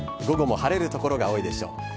午後も晴れる所が多いでしょう。